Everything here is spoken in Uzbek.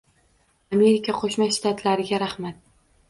Amerika Qo'shma Shtatlariga rahmat.